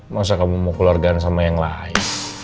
masa kamu mau keluargaan sama yang lain